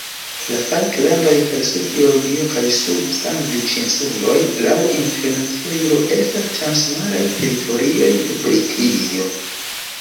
La Falklandoj kaj Sud-Georgio kaj Sud-Sandviĉinsuloj laŭ internacia juro estas transmaraj teritorioj de Britio.